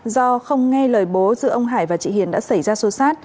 do không nghe lời bố giữa ông hải và chị hiền đã xảy ra